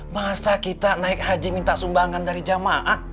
masa kita naik haji minta sumbangan dari jamaah